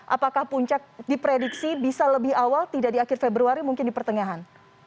apakah puncak diprediksi bisa lebih awal tidak di akhir februari mungkin di pertengahan